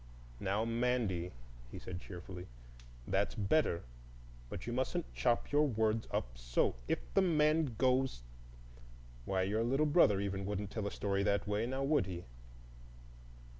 "Now, Mandy," he said cheerfully, "that's better; but you mustn't chop your words up so: 'If—the man—goes.' Why, your little brother even wouldn't tell a story that way, now would he?"